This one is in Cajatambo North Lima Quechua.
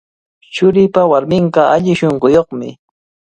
Churiipa warminqa alli shunquyuqmi.